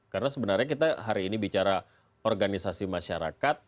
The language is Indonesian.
karena sebenarnya kita hari ini bicara organisasi masyarakat